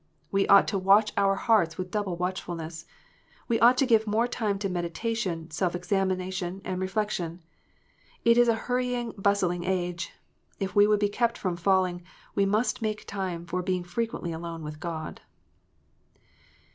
We ought to watch our hearts with double watchfulness. We ought to give more time to medita tion, self examination, and reflection. It is a hurrying, bustling age : if we would be kept from falling, we must make time for being frequently alone with God.